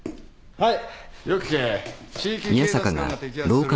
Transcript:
はい！